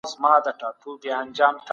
علمي ټولپوهنه د معاصر عصر محصول ده.